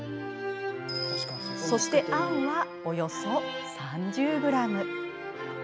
そして、あんはおよそ３０ｇ。